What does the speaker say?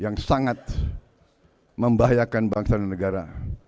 yang sangat membahayakan bangsa dan negara